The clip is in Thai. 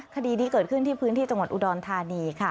คดีนี้เกิดขึ้นที่พื้นที่จังหวัดอุดรธานีค่ะ